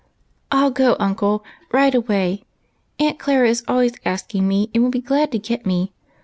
" I '11 go, uncle, right away ! Aunt Clara is always asking me, and will be glad to get me.